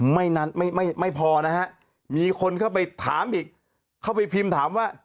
ไม่ไม่พอนะฮะมีคนเข้าไปถามอีกเข้าไปพิมพ์ถามว่า